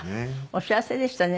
お幸せでしたね